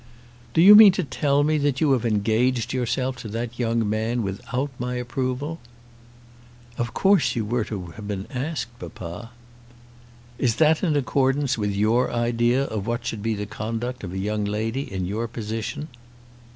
"Do you mean to tell me that you have engaged yourself to that young man without my approval?" "Of course you were to have been asked, papa." "Is that in accordance with your idea of what should be the conduct of a young lady in your position?"